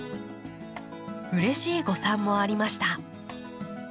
うれしい誤算もありました。